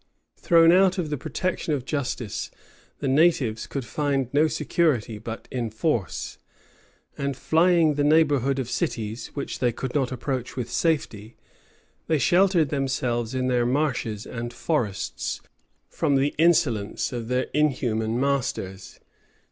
Thrown out of the protection of justice, the natives could find no security but in force; and flying the neighborhood of cities, which they could not approach with safety, they sheltered themselves in their marshes and forests from the insolence of their inhuman masters.